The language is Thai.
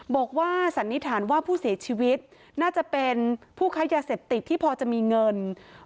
สันนิษฐานว่าผู้เสียชีวิตน่าจะเป็นผู้ค้ายาเสพติดที่พอจะมีเงิน